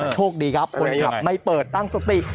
โชคดีครับคนขับไม่เปิดตั้งสติ